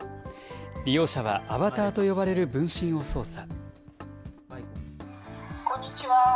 利用者はアバターと呼ばれる分身を操作。